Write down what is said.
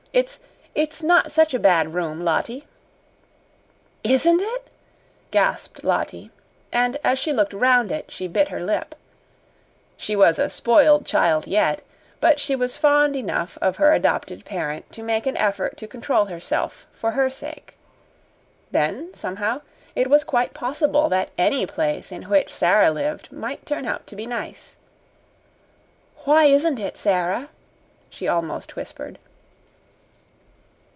It's it's not such a bad room, Lottie." "Isn't it?" gasped Lottie, and as she looked round it she bit her lip. She was a spoiled child yet, but she was fond enough of her adopted parent to make an effort to control herself for her sake. Then, somehow, it was quite possible that any place in which Sara lived might turn out to be nice. "Why isn't it, Sara?" she almost whispered.